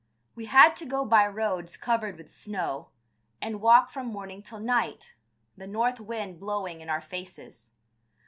We had to go by roads covered with snow, and walk from morning till night, the north wind blowing in our faces.